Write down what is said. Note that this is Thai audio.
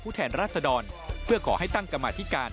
แทนราชดรเพื่อก่อให้ตั้งกรรมาธิการ